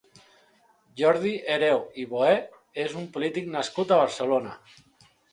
Jordi Hereu i Boher és un polític nascut a Barcelona.